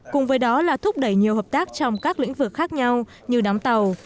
cùng với đó là thúc đẩy nhiều hợp tác trong các lĩnh vực khác nhau như đóng tàu